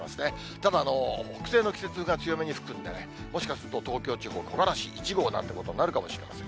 ただ、北西の季節風が強めに吹くんでね、もしかすると東京地方、木枯らし１号なんてことになるかもしれません。